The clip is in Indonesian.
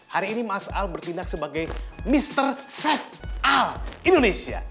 hari ini mas al bertindak sebagai mr safe a indonesia